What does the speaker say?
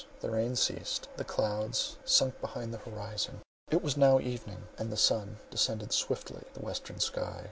The rain ceased; the clouds sunk behind the horizon; it was now evening, and the sun descended swiftly the western sky.